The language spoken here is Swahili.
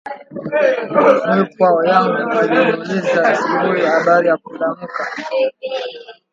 Mwipwa yangu aliniuliza asubui abari ya kulamuka